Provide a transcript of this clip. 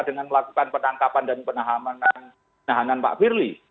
dengan melakukan penangkapan dan penahanan pak firly